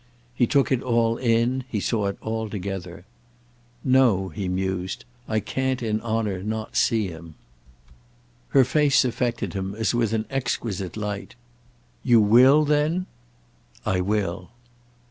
He took it all in, he saw it all together. "No," he mused, "I can't in honour not see him." Her face affected him as with an exquisite light. "You will then?" "I will."